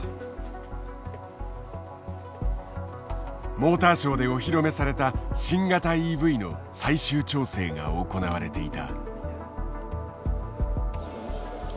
モーターショーでお披露目された新型ＥＶの最終調整が行われていた。